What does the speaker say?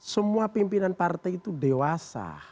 semua pimpinan partai itu dewasa